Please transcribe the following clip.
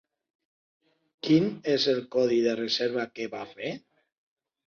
Quin és el codi de la reserva que va fer?